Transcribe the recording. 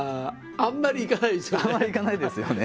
あんまり行かないですよね